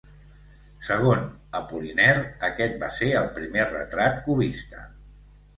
Segon Apollinaire, aquest va ser el "primer retrat cubista".